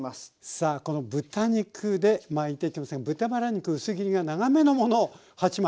さあこの豚肉で巻いていきますが豚バラ肉薄切りが長めのもの８枚。